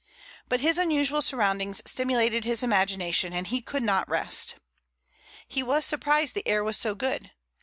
But his unusual surroundings stimulated his imagination, and he could not rest. He was surprised that the air was so good.